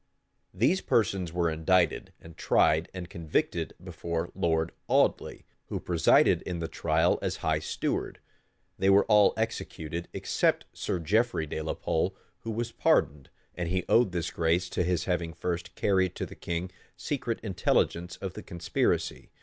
These persons were indicted, and tried, and convicted, before Lord Audley, who presided in the trial as high steward; they were all executed, except Sir Geoffrey de la Pole, who was pardoned; and he owed this grace to his having first carried to the king secret intelligence of the conspiracy.